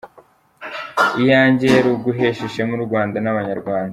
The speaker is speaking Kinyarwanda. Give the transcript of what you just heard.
Iyanjye yari uguhesha ishema u Rwanda n’abanyarwanda.